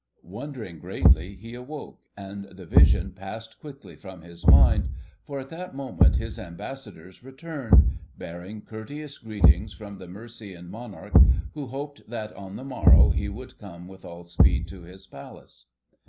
Wondering greatly, he awoke, and the vision passed quickly from his mind, for at that moment his Ambassadors returned, bearing courteous greetings from the Mercian Monarch, who hoped that on the morrow he would come with all speed to his Palace.